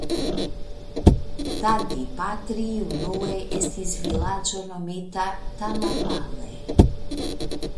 Tadipatri unue estis vilaĝo nomita Tallapalle.